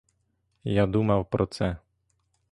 Я думав про це.